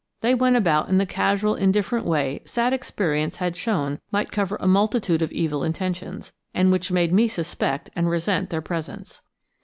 They went about in the casual indifferent way sad experience had shown might cover a multitude of evil intentions, and which made me suspect and resent their presence.